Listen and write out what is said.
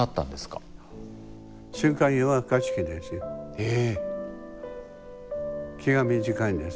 ええ。